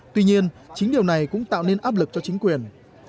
tuy nhiên chính điều này cũng tạo nên áp lực cho chính quyền